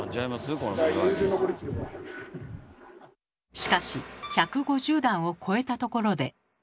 しかし１５０段を超えたところで。